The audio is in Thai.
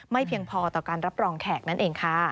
เพียงพอต่อการรับรองแขกนั่นเองค่ะ